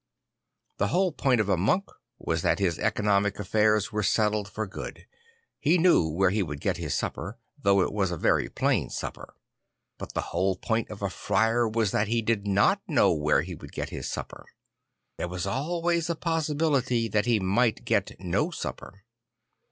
The whole point of a monk was that his economic affairs were settled for good; he knew where he would get his supper, though it was a very plain supper. But the whole point of a friar was that he did not know where he would get his supper. There was always a possi bility that he might get no supper.